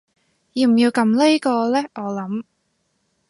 要唔要撳呢個呢我諗